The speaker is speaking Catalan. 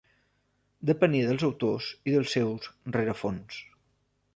Depenia dels autors i del seu rerefons.